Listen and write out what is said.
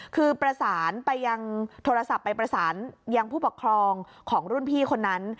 คือโทรศัพท์ไปประสานยังผู้ปกครองของรุ่นพี่คนนั้น